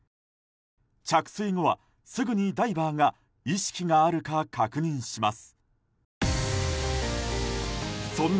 着水後は、すぐにダイバーが意識があるか確認します。